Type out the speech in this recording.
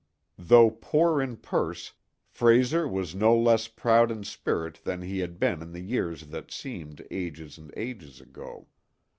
Though poor in purse, Frayser was no less proud in spirit than he had been in the years that seemed ages and ages ago.